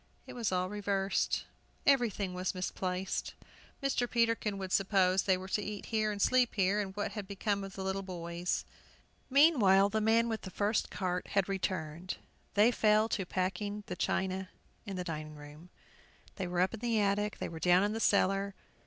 It was all reversed; everything was misplaced. Mr. Peterkin would suppose they were to eat here and sleep here, and what had become of the little boys? Meanwhile the man with the first cart had returned. They fell to packing the dining room china. They were up in the attic, they were down in the cellar.